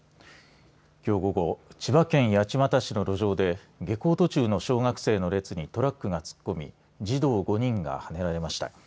きょう午後千葉県八街市の路上で下校途中の小学生の列にトラックが突っ込み児童５人がはねられました。